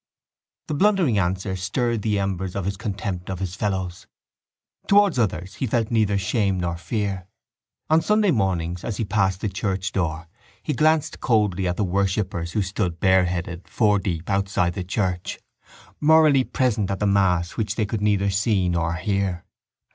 The blundering answer stirred the embers of his contempt of his fellows. Towards others he felt neither shame nor fear. On Sunday mornings as he passed the church door he glanced coldly at the worshippers who stood bareheaded, four deep, outside the church, morally present at the mass which they could neither see nor hear.